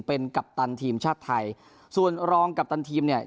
เป็นกัปตันทีมชาติไทยส่วนรองกัปตันทีมเนี่ย